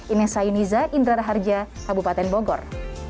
ines sayun iza indra raharja kabupaten bogor